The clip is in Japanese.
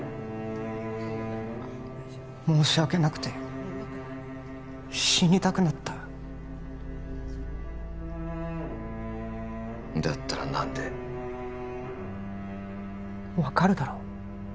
申し訳なくて死にたくなっただったら何で分かるだろ？